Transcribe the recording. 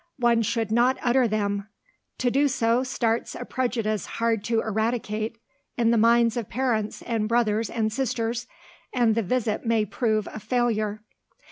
One should not utter them. To do so starts a prejudice hard to eradicate in the minds of parents and brothers and sisters, and the visit may prove a failure.